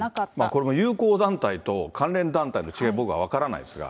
これも友好団体と関連団体の違い、僕は分からないですが。